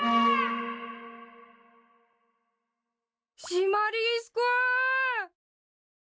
シマリスくん！